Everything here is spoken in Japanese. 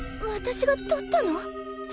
私がとったの？